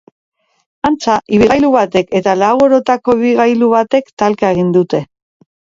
Antza, ibilgailu batek eta lau orotako ibilgailu batek talka egin dute.